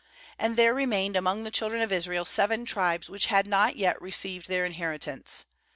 2And there remained among the chil dren of Israel seven tribes, which had not yet received their inheritance.